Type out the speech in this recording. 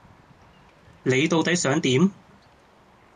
你到底想點？